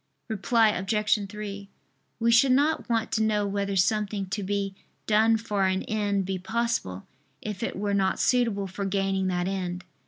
Reply Obj. 3: We should not want to know whether something to be done for an end be possible, if it were not suitable for gaining that end.